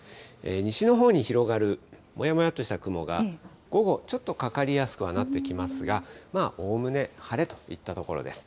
西のほうに広がるもやもやっとした雲が、午後、ちょっとかかりやすくはなってきますが、おおむね晴れといったところです。